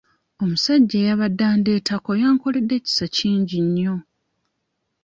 Omusajja eyabadde andeetako yankoledde ekisa kingi nnyo.